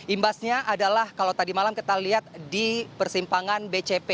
imbasnya adalah kalau tadi malam kita lihat di persimpangan bcp